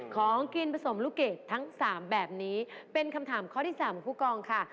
ของกินผสมลูกเกรด๓แบบนี้คำถามค้อ๓ของผู้กองค่ะ